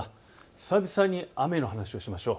久々に雨の話をしましょう。